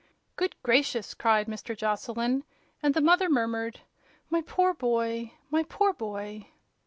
"Good gracious!" cried Mr. Joslyn, and the mother murmured: "My poor boy! my poor boy!"